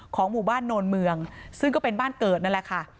หมู่บ้านโนนเมืองซึ่งก็เป็นบ้านเกิดนั่นแหละค่ะ